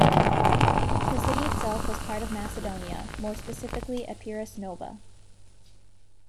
The city itself was part of Macedonia, more specifically Epirus Nova.